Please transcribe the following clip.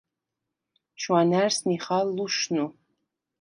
შვანა̈რს ნიხალ ლუშნუ.